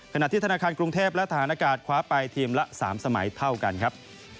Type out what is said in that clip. ขณะที่ธนาคารกรุงเทพและฐานอากาศคว้าไปทีมละ๓สมัยเท่ากันครับ